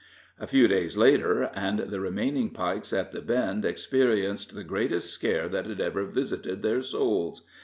A few days later, and the remaining Pikes at the Bend experienced the greatest scare that had ever visited their souls.